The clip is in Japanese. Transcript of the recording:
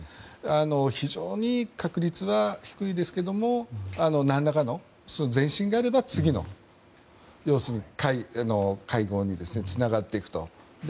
非常に確率は低いですけども何らかの前進があれば次の会合につながっていくと。